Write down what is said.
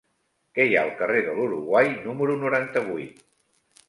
Què hi ha al carrer de l'Uruguai número noranta-vuit?